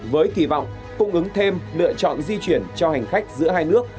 với kỳ vọng cung ứng thêm lựa chọn di chuyển cho hành khách giữa hai nước